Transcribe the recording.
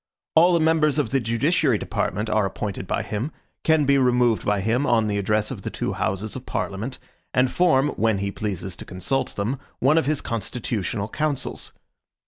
All the members of the judiciary department are appointed by him, can be removed by him on the address of the two Houses of Parliament, and form, when he pleases to consult them, one of his constitutional councils.